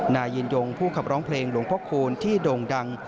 นายยืนยงผู้ขับร้องเพลงหลวงพระคูณที่โด่งดัง